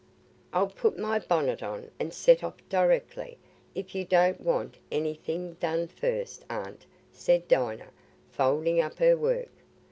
"I'll put my bonnet on and set off directly, if you don't want anything done first, Aunt," said Dinah, folding up her work.